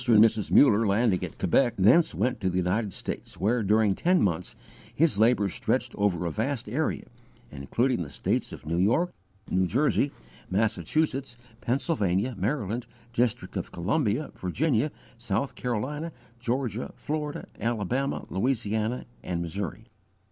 and Mrs. Muller, landing at Quebec, thence went to the United States, where, during ten months, his labours stretched over a vast area, including the States of New York, New Jersey, Massachusetts, Pennsylvania, Maryland, District of Columbia, Virginia, South Carolina, Georgia, Florida, Alabama, Louisiana, and Missouri.